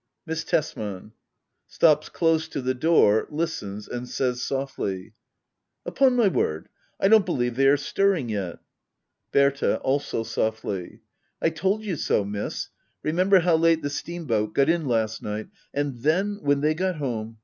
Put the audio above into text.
Miss Tesman. [Stops close to the door, listens, and says softly ;] Upon my word, I don't believe they are stirring yet! Berta. [Also softly.^ I told you so. Miss. Remember how late the steamboat got in last night And then, when they got home